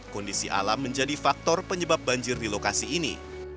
kondisi alam menjadi faktor penyebab banjir di lokasi ini